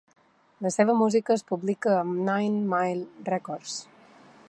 La seva música es publica a Nine Mile Records.